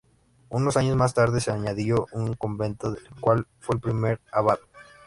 Unos años más tarde se añadió un convento del cual fue el primer abad.